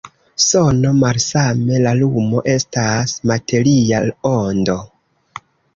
Sono, malsame la lumo, estas materia ondo.